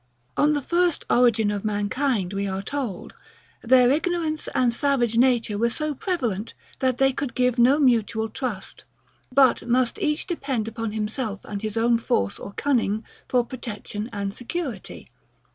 On the first origin of mankind, we are told, their ignorance and savage nature were so prevalent, that they could give no mutual trust, but must each depend upon himself and his own force or cunning for protection and security.